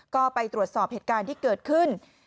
ก็ไปตรวจสอบเหตุการณ์ที่เกิดขึ้น